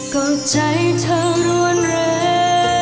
ก็ใจเธอรวนเร